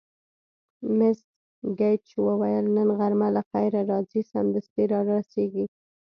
مس ګېج وویل: نن غرمه له خیره راځي، سمدستي را رسېږي.